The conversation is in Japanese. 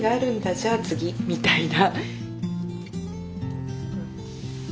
じゃあ次！みたいな。